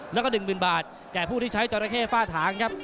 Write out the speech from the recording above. แล้วก็๑๐๐๐บาทแก่ผู้ที่ใช้จราเข้ฝ้าถางครับ